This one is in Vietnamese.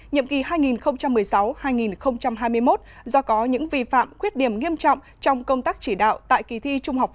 nhiệm kỳ hai nghìn một mươi sáu hai nghìn hai mươi một do có những vi phạm khuyết điểm nghiêm trọng trong công tác chỉ đạo tại kỳ thi trung học phổ thông